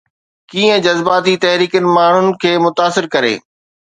ڪيئن جذباتي تحريڪن ماڻهن کي متاثر ڪري؟